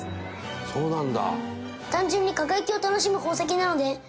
そうなんだ。